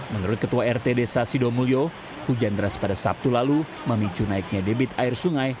menurut ketua rt desa sidomulyo hujan deras pada sabtu lalu memicu naiknya debit air sungai